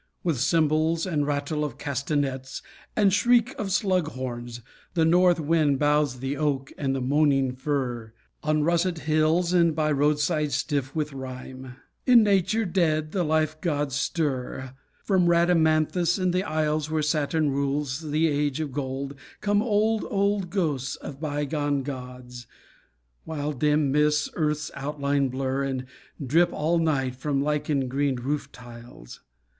With cymbals and rattle of castanets, And shriek of slug horns, the North Wind Bows the oak and the moaning fir, On russet hills and by roadsides stiff with rime. In nature, dead, the life gods stir, From Rhadamanthus and the Isles, Where Saturn rules the Age of Gold, Come old, old ghosts of bygone gods; While dim mists earth's outlines blur, And drip all night from lichen greened roof tiles.